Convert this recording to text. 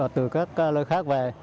từ các lối khác về